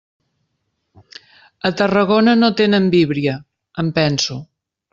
A Tarragona no tenen Víbria, em penso.